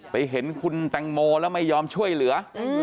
เห็นคุณแตงโมแล้วไม่ยอมช่วยเหลือ